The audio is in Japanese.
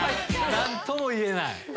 何とも言えない。